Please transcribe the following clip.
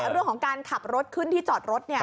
เรื่องของการขับรถขึ้นที่จอดรถ